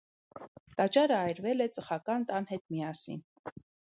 Տաճարը այրվել է ծխական տան հետ միասին։